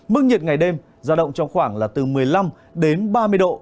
mức nhiệt ngày đêm giao động trong khoảng là từ một mươi năm đến ba mươi độ